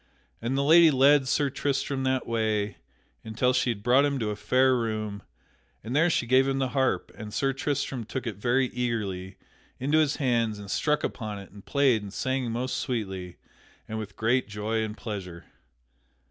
And the lady led Sir Tristram that way until she had brought him to a fair room, and there she gave him the harp, and Sir Tristram took it very eagerly into his hands and struck upon it and played and sang most sweetly and with great joy and pleasure.